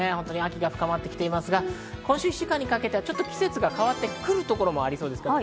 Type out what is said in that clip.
秋が深まってきていますが、今週１週間にかけては季節が変わってくるところもありますから。